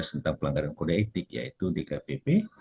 tentang pelanggaran kode etik yaitu dkpp